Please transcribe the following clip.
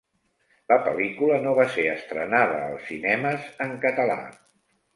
La pel·lícula no va ser estrenada als cinemes en català.